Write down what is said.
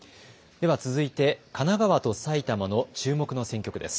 では続いて神奈川と埼玉の注目の選挙区です。